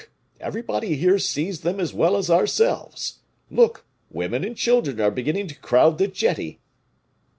everybody here sees them as well as ourselves; look, women and children are beginning to crowd the jetty."